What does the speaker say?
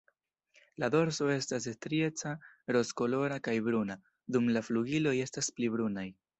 La dorso estas strieca rozkolora kaj bruna, dum la flugiloj estas pli brunaj.